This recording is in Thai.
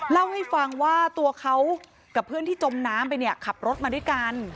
เล่าให้ฟังว่าตัวเขากับเพื่อนที่จมน้ำไปเนี่ยขับรถมาด้วยกัน